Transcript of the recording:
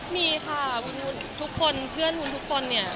มีค่ะเพื่อนวุ้นทุกคนเนี่ย